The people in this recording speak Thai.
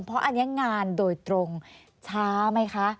เพราะอันนี้งานโดยตรงช้าไหมคะ